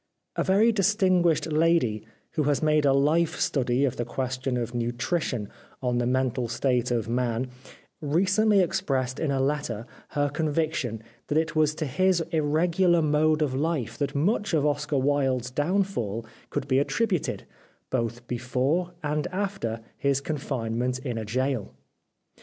A very distinguished lady who has made a life study of the question of nutrition on the mental state of man recently expressed in a letter her con viction that it was to his irregular mode of life that much of Oscar Wilde's downfall could be attributed, both before and after his confinement in a gaol.